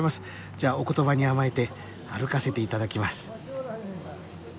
じゃあお言葉に甘えて歩かせて頂きます。